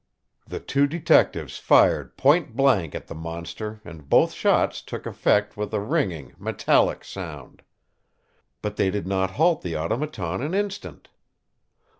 The two detectives fired point blank at the monster and both shots took effect with a ringing, metallic sound. But they did not halt the Automaton an instant.